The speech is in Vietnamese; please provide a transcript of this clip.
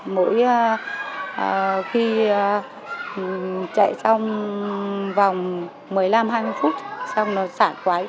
mỗi khi chạy xong vòng một mươi năm hai mươi phút xong nó sảng quái